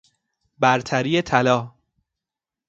برتری طلا